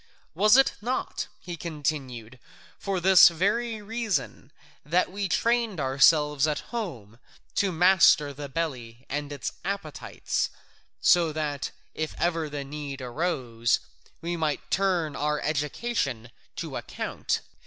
Was it not," he continued, "for this very reason that we trained ourselves at home to master the belly and its appetites, so that, if ever the need arose, we might turn our education to account?